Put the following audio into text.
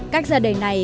cách ra đề này